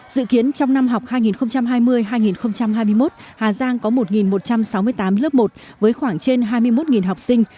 dự kiến trong năm học hai nghìn hai mươi hai nghìn hai mươi một hà giang có một một trăm sáu mươi tám lớp một với khoảng trên hai mươi một học sinh